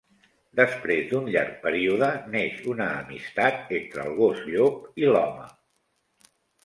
Després d'un llarg període, neix una amistat entre el gos llop i l'home.